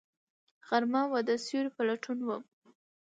غرمه وه، د سیوری په لټون وم